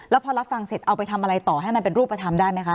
แล้วพอรับฟังเสร็จเอาไปทำอะไรต่อให้มันเป็นรูปธรรมได้ไหมคะ